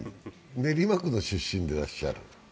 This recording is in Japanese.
練馬区の出身でいらっしゃる。